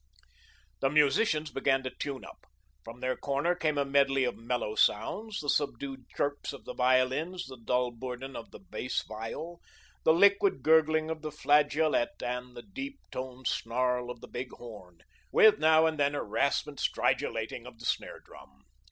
The musicians began to tune up. From their corner came a medley of mellow sounds, the subdued chirps of the violins, the dull bourdon of the bass viol, the liquid gurgling of the flageolet and the deep toned snarl of the big horn, with now and then a rasping stridulating of the snare drum.